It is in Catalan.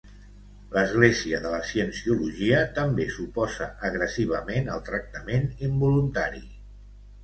L'església de la cienciologia també s'oposa agressivament al tractament involuntari.